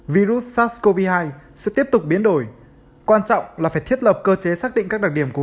virus sars cov hai sẽ tiếp tục biến đổi quan trọng là phải thiết lập cơ chế xác định các đặc điểm của